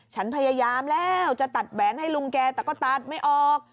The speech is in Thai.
ฉันพยายามแล้วจะตัดแหวนให้ลุงแกแต่ก็ตัดไม่ออก